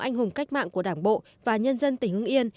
anh hùng cách mạng của đảng bộ và nhân dân tỉnh hương nghiên